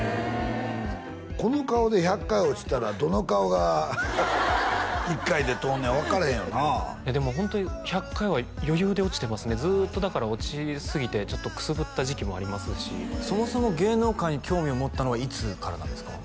この顔で１００回落ちたらどの顔が１回で通るか分からへんよなでもホントに１００回は余裕で落ちてますねずっとだから落ちすぎてくすぶった時期もありますしそもそも芸能界に興味を持ったのはいつからなんですか？